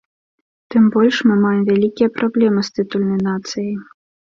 Тым больш, мы маем вялікія праблема з тытульнай нацыяй.